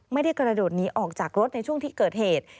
ไม่ได้กระโดดหนีออกจากรถในช่วงที่เกิดเหตุ